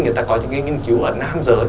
người ta có những nghiên cứu ở nam giới